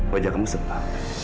wajah kamu sepah